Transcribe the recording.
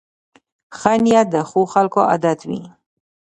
ښه نیت د ښو خلکو عادت وي.